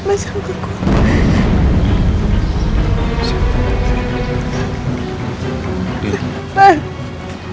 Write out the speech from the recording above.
saya satu orang yang salah